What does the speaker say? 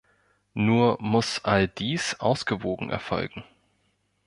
Nur muss all dies ausgewogen erfolgen.